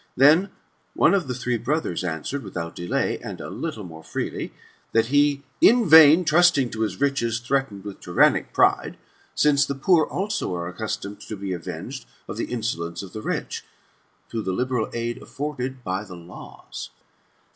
Then one of the three brothers answered, without delay, and a little more freely. That he in vain, trusting to his riches, threatened, with tyrannic pride, since the poor also are accustomed to be avenged of the insolence of the rich, through the liberal aid afforded by the laws.